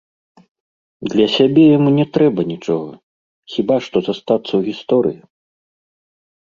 Для сябе яму не трэба нічога, хіба што застацца ў гісторыі.